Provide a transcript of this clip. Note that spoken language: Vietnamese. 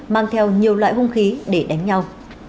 mang theo nhiều loại hung khí để đánh nhau